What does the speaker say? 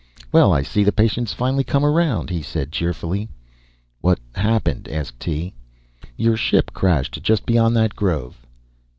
"Well, I see the patient's finally come around," he said, cheerfully. "What happened?" asked Tee. "Your ship crashed just beyond that grove."